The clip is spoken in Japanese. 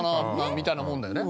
みたいなものだよね。